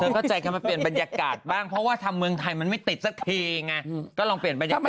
เข้าใจคำว่าเปลี่ยนบรรยากาศบ้างเพราะว่าทำเมืองไทยมันไม่ติดสักทีไงก็ลองเปลี่ยนบรรยากาศ